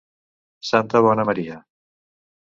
Santa bona Maria!